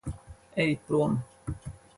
Ej prom.